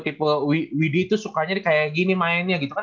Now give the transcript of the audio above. tipe widhi itu sukanya kayak gini mainnya gitu kan